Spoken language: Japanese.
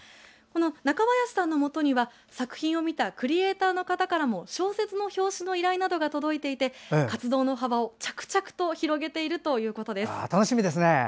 中林さんのもとには作品を見たクリエイターの方からも小説の表紙の依頼などが届いていて活動の幅を着々と広げているということです。